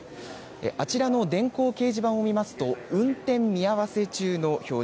あちらの電光掲示板を見ますと、運転見合わせ中の表示。